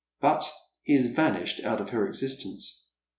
But he has vanished out of her existence.